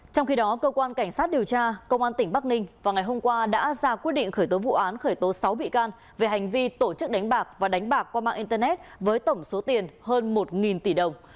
trong khi đó cơ quan cảnh sát điều tra công an tỉnh bắc ninh vào ngày hôm qua đã ra quyết định khởi tố vụ án khởi tố sáu bị can về hành vi tổ chức đánh bạc và đánh bạc qua mạng internet với tổng số tiền hơn một tỷ đồng